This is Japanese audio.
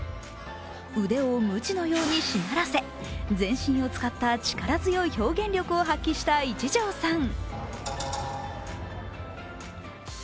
腕をむちのようにしならせ全身を使った力強い表現力を発揮した一条さん。